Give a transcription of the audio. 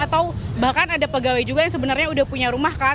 atau bahkan ada pegawai juga yang sebenarnya udah punya rumah kan